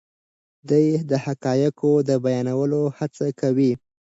دی د حقایقو د بیانولو هڅه کوي.